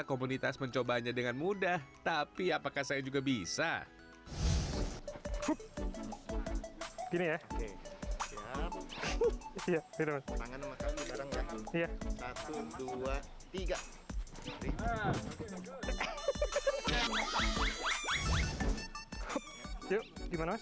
komunitas mencobanya dengan mudah tapi apakah saya juga bisa kiri ya iya ini memang ya satu